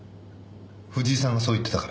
藤井さんがそう言ってたから？